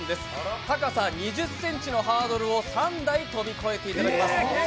高さ２０ｃｍのハードルを３台飛び越えていただきます。